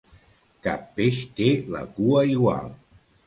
Cap peix té la cua igual.